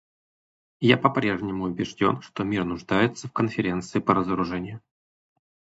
Я по-прежнему убежден, что мир нуждается в Конференции по разоружению.